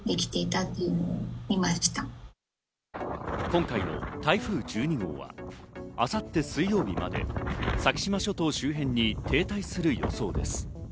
今回の台風１２号は、明後日水曜日まで先島諸島周辺に停滞する予想です。